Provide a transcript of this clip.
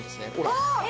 あっ！